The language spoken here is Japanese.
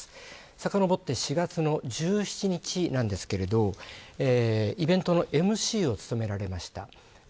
さかのぼって４月１７日なんですがイベントのＭＣを務められました。